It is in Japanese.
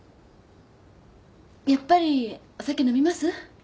やっぱりお酒飲みます？